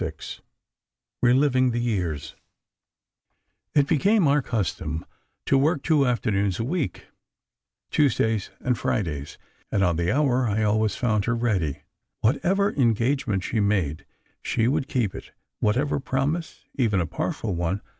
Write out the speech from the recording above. VI RELIVING THE YEARS It became our custom to work two afternoons a week—Tuesdays and Fridays, and on the hour I found her always ready. Whatever engagement she made, she would keep it; whatever promise, even a partial one.